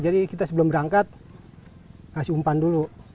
jadi kita sebelum berangkat kasih umpan dulu